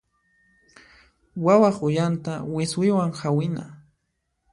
Wawaq uyanta wiswiwan hawina.